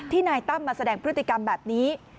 นายตั้มมาแสดงพฤติกรรมแบบนี้